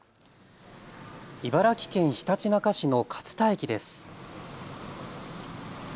茨城県ひたちなか市の勝田駅です。